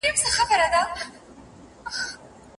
د کارګه په مخ کي وکړې ډیري غوري